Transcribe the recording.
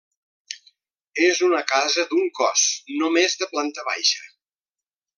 És una casa d'un cos, només de planta baixa.